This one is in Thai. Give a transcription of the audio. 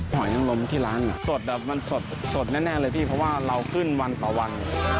หอยนังลมที่ร้านสดแบบมันสดแน่เลยพี่เพราะว่าเราขึ้นวันต่อวัน